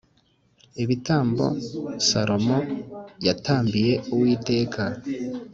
Ibitambo salomo yatambiye uwiteka